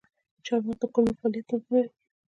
چارمغز د کولمو فعالیت تنظیموي.